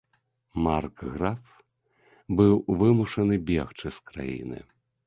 Маркграф быў вымушаны бегчы з краіны.